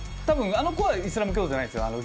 多分あの子はイスラム教徒じゃないんですよ